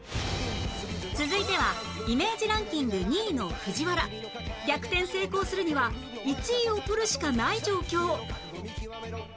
続いてはイメージランキング２位の藤原逆転成功するには１位を取るしかない状況